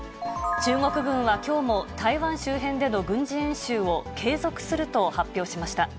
中国軍はきょうも台湾周辺での軍事演習を継続すると発表しました。